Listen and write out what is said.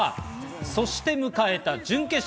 そして迎えた準決勝。